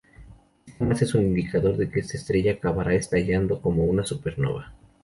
Esta masa es un indicador de que esta estrella acabará estallando como una supernova.